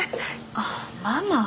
あっママ。